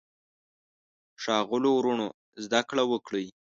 ښاغلو وروڼو زده کړه وکړئ.